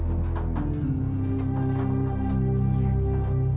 pak kamu gerakan